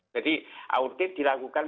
jadi audit dilakukan